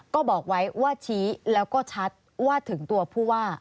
ก็บอกไว้ว่าชี้แล้วก็ชัดว่าถึงตัวผู้ว่า